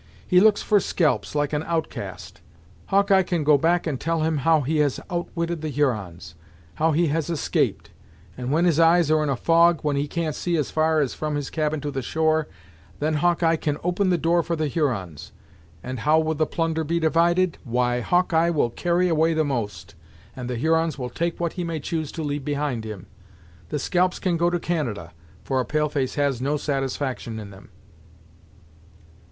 He looks for scalps, like an outcast. Hawkeye can go back and tell him how he has outwitted the Hurons, how he has escaped, and when his eyes are in a fog, when he can't see as far as from his cabin to the shore, then Hawkeye can open the door for the Hurons. And how will the plunder be divided? Why, Hawkeye, will carry away the most, and the Hurons will take what he may choose to leave behind him. The scalps can go to Canada, for a pale face has no satisfaction in them."